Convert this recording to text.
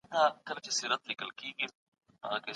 ساینس کولای سی چې د تورو د ټایپ تصویر واخلي.